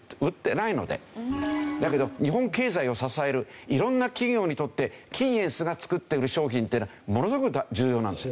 だけど日本経済を支える色んな企業にとってキーエンスが作ってる商品っていうのはものすごく重要なんです。